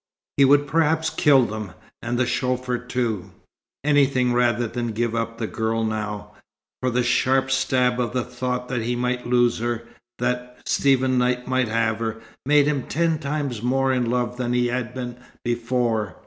He would perhaps kill them, and the chauffeur too. Anything rather than give up the girl now; for the sharp stab of the thought that he might lose her, that Stephen Knight might have her, made him ten times more in love than he had been before.